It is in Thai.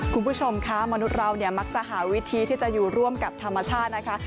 คุณผู้ชมคะมนุษย์เราเนี่ยมักจะหาวิธีที่จะอยู่ร่วมกับธรรมชาตินะคะ